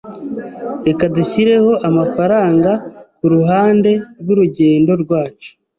Reka dushyireho amafaranga kuruhande rwurugendo rwacu.